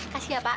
kasih ya pak